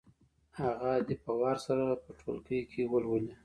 هغه دې په وار سره په ټولګي کې ولولي.